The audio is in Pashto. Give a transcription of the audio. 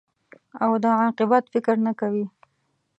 او د عاقبت فکر نه کوې.